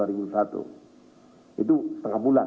itu setengah bulan